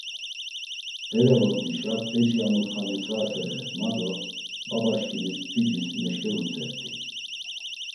Bere vort̆işa 'beçi a mutxa mitzvasere' ma do babaşǩimis p̌icis meşǩevutzet̆i.